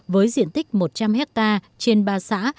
với diện tích một trăm linh hectare trên ba xã